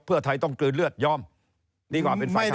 เพื่อไทยต้องกลืนเลือดยอมดีกว่าเป็นฝ่ายค้าน